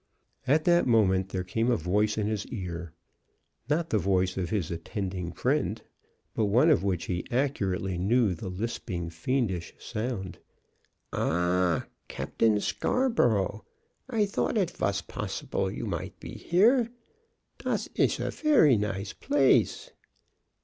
At that moment there came a voice in his ear, not the voice of his attending friend, but one of which he accurately knew the lisping, fiendish sound: "Ah, Captain Scarborough, I thought it vas posshible you might be here. Dis ish a very nice place."